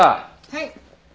はい。